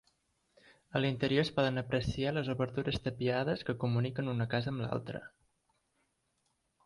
A l’interior es poden apreciar les obertures tapiades que comuniquen una casa amb l’altra.